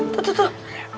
tuh tuh tuh